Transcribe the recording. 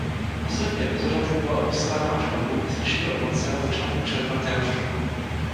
Poslední epizoda tak byla odvysílána až po dvouměsíční odmlce na začátku června téhož roku.